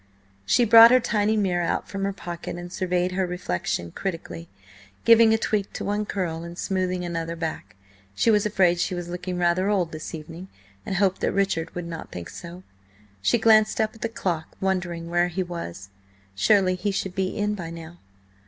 She brought her tiny mirror out from her pocket and surveyed her reflection critically, giving a tweak to one curl, and smoothing another back. She was afraid she was looking rather old this evening, and hoped that Richard would not think so. She glanced up at the clock, wondering where he was; surely he should be in by now?